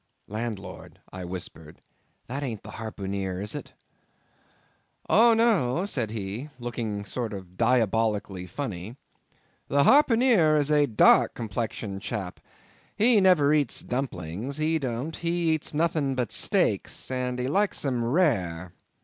"Landlord," I whispered, "that aint the harpooneer is it?" "Oh, no," said he, looking a sort of diabolically funny, "the harpooneer is a dark complexioned chap. He never eats dumplings, he don't—he eats nothing but steaks, and he likes 'em rare."